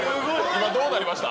今どうなりました？